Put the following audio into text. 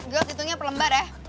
girls hitungnya perlembar ya